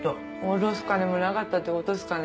堕ろす金もなかったって事っすかね。